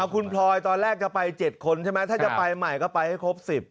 คุณพลอยตอนแรกจะไป๗คนใช่ไหมถ้าจะไปใหม่ก็ไปให้ครบ๑๐